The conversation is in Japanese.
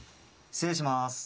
失礼します。